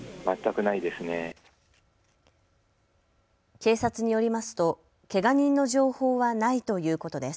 警察によりますと、けが人の情報はないということです。